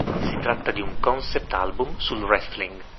Si tratta di un concept album sul wrestling.